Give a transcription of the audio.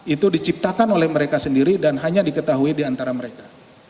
itu diciptakan oleh mereka sendiri dan hanya diketahui di antara mereka